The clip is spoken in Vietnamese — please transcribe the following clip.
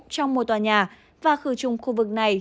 trong một tòa nhà và khử trùng khu vực này